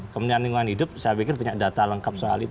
kemudian lingkungan hidup saya pikir punya data lengkap soal itu